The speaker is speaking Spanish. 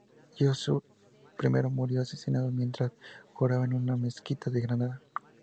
Yusuf I murió asesinado mientras oraba en una mezquita de Granada.